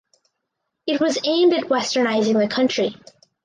It was aimed at westernizing the country.